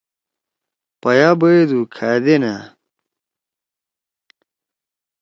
پَیا بَیدو کھا دی نیأ؟